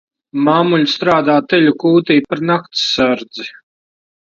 Māmuļa strādā teļu kūtī par nakts sardzi.